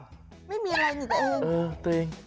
ไม่มีอะไรนี่ตัวเอง